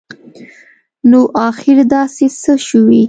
نو اخیر داسي څه شوي